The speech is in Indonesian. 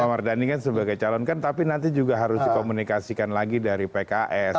pak mardhani kan sebagai calon kan tapi nanti juga harus dikomunikasikan lagi dari pks